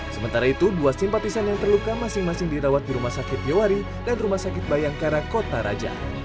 sementara itu dua simpatisan yang terluka masing masing dirawat di rumah sakit yowari dan rumah sakit bayangkara kota raja